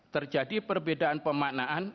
terjadi perbedaan pemaknaan